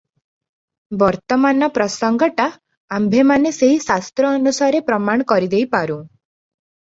ବର୍ତ୍ତମାନ ପ୍ରସଙ୍ଗଟା ଆମ୍ଭେମାନେ ସେହି ଶାସ୍ତ୍ର ଅନୁସାରେ ପ୍ରମାଣ କରିଦେଇପାରୁଁ ।